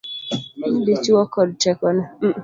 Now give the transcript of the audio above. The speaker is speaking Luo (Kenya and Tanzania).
Ni dichuo kod tekone.